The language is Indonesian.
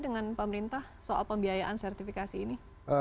dengan pemerintah soal pembiayaan sertifikasi ini